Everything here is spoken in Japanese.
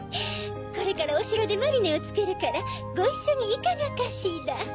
これからおしろでマリネをつくるからごいっしょにいかがかしら？